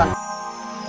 karena telah dikutukan